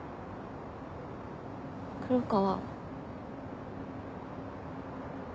黒川。